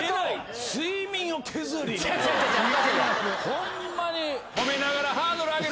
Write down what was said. ホンマに。